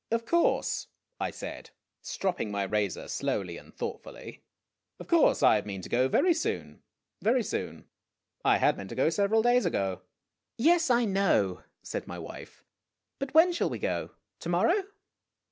'Of course," I said, stropping my razor slowly and thoughtfully. " Of course. I mean to go very soon. Very soon. I had meant to go several days ago." 196 IMAGINOTIONS "Yes; I know," said my wife. "But when shall we go? To morrow